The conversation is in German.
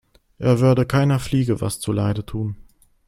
Er würde keiner Fliege was zu Leide tun.